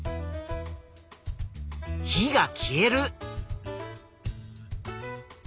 火が消える。